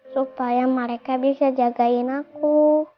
supaya mereka bisa jagain aku